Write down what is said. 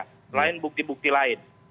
selain bukti bukti lain